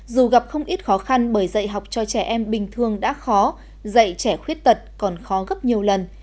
dù gặp không ít khó khăn bởi dạy học cho trẻ em bình thường đã khó dạy trẻ khuyết tật còn khó gấp nhiều lần